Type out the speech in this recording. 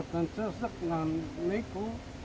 bu dhani sesek dengan niko